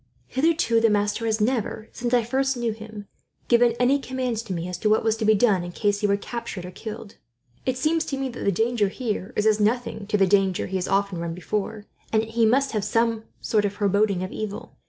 "Hitherto the master has never, since I first knew him, given any commands to me, as to what was to be done in case he were captured or killed. It seems to me that the danger here is as nothing to that he has often run before, and yet he must have some sort of foreboding of evil.